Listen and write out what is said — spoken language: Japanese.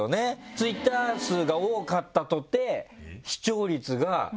Ｔｗｉｔｔｅｒ数が多かったとて視聴率が良くは。